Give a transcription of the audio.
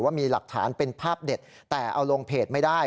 ว่ามีหลักฐานเป็นภาพเด็ดแต่เอาลงเพจไม่ได้